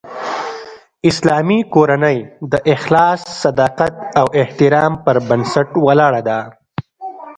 اسلامي کورنۍ د اخلاص، صداقت او احترام پر بنسټ ولاړه ده